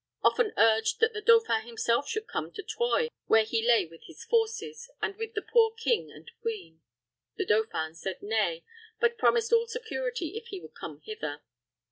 Often urged that the dauphin himself should come to Troyes, where he lay with his forces, and with the poor king and queen. The dauphin said nay, but promised all security if he would come hither.